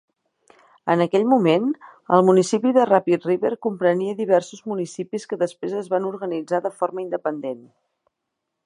En aquell moment, el municipi de Rapid River comprenia diversos municipis que després es van organitzar de forma independent.